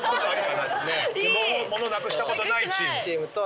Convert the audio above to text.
物なくしたことないチーム。